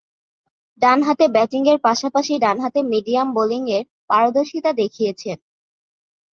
ডানহাতে ব্যাটিংয়ের পাশাপাশি ডানহাতে মিডিয়াম বোলিংয়ে পারদর্শীতা দেখিয়েছেন।